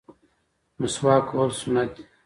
مسواک وهل سنت دي